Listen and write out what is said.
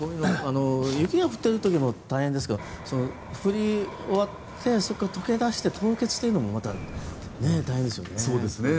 雪が降っている時も大変ですけど降り終わってそこから解け出して凍結というのも大変ですよね。